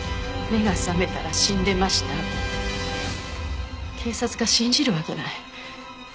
「目が覚めたら死んでました」なんて警察が信じるわけない。